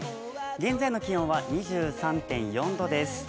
現在の気温は２３．４度です。